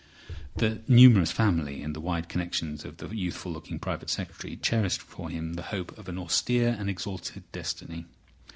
The numerous family and the wide connections of the youthful looking Private Secretary cherished for him the hope of an austere and exalted destiny.